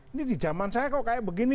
ini di zaman saya kok kayak begini